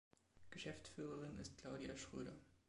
Geschäftsführerin ist Claudia Schröder.